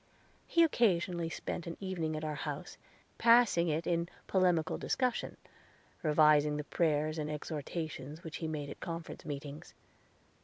He occasionally spent an evening at our house, passing it in polemical discussion, revising the prayers and exhortations which he made at conference meetings.